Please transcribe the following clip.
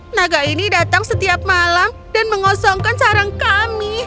naga ini datang setiap malam dan mengosongkan sarang kami